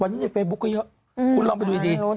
วันนี้ในเฟซบุ๊คก็เยอะคุณลองไปดูดี